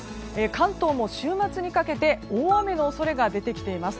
関東も週末にかけて大雨の恐れが出てきています。